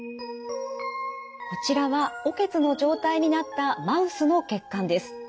こちらは血の状態になったマウスの血管です。